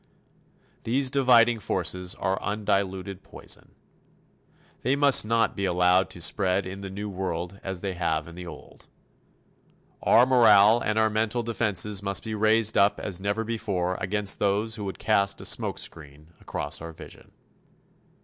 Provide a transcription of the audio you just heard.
These dividing forces are undiluted poison. They must not be allowed to spread in the New World as they have in the Old. Our morale and our mental defenses must be raised up as never before against those who would cast a smokescreen across our vision.